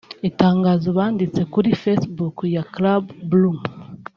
Itangazo banditse kuri Facebook ya Club Blu